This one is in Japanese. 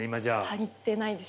足りてないです